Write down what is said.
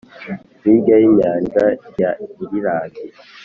hirya y'inyanja ya irilande,